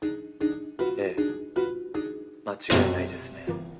ええ間違いないですね。